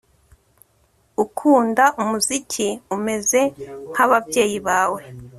Ukunda umuziki umeze nkababyeyi bawe